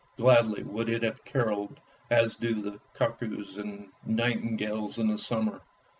Gladly would it have carolled as do the cuckoos and nightingales in summer.